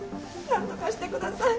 何とかしてください。